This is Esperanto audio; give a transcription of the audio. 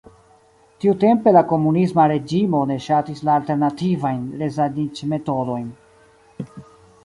Tiutempe la komunisma reĝimo ne ŝatis la alternativajn resaniĝmetodojn.